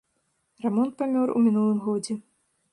Рамон памёр у мінулым годзе.